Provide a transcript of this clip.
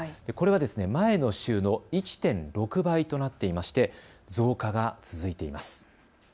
これは前の週の１．６倍となっていまして増加が続いています。